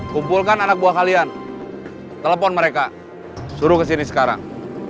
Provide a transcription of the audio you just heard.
kumpulkan anak buah kalian telepon mereka suruh kesini sekarang